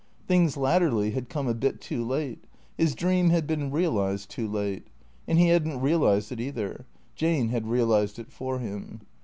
Things latterly had come a bit too late. His dream had been realized too late. And he had n't realized it, either. Jane had realized it for him.